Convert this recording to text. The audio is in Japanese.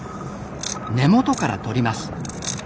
根元からとります。